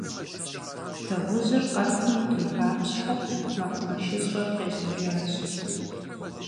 Дыгъужьыр къэпым иригъапщхьэри, мэкъумэшыщӏэр къежьэжащ.